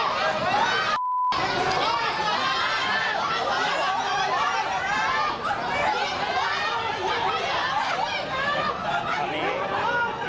ตอนนี้นะครับ